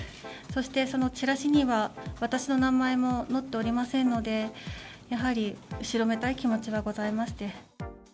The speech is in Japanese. そして、そのチラシには、私の名前も載っておりませんので、やはり後ろめたい気持ちがございまして。